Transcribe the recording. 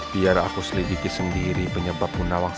biar aku selidiki sendiri penyebab bu nawang